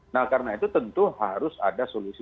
nah karena itu tentu harus ada solusi